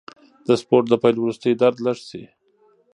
د سپورت د پیل وروسته درد لږ شي.